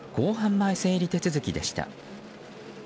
前整理手続きでした。